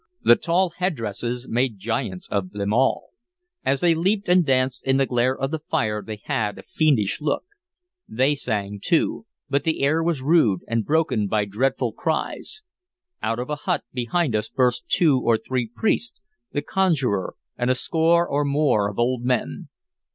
The tall headdresses made giants of them all; as they leaped and danced in the glare of the fire they had a fiendish look. They sang, too, but the air was rude, and broken by dreadful cries. Out of a hut behind us burst two or three priests, the conjurer, and a score or more of old men.